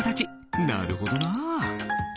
なるほどな。